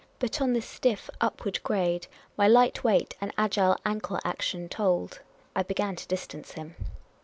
But on this stiff upward grade my light weight and agile ankle action told ; I began to distance him.